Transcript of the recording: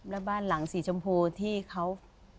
แล้วบ้านหลังสีชมพูที่เขา